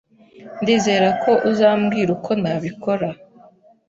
Ndizera ko uzambwira uko nabikora.